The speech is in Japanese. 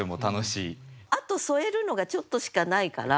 あと添えるのがちょっとしかないから。